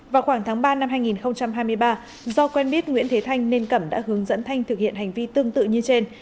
vào khoảng tháng ba năm hai nghìn hai mươi ba do quen biết nguyễn thế thanh nên cẩm đã hướng dẫn thanh thực hiện hành vi tương tự như trên